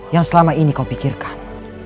yang selama ini kau pikirkan